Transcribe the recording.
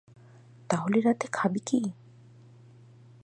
তাহলে রাতে খাবি কি?